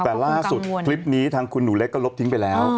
แต่ล่าสุดคลิปนี้ทางคุณหนูเล็กก็ลบทิ้งไปแล้ว